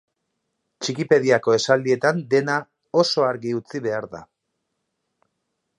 Txikipediako esaldietan dena oso argi utzi behar da.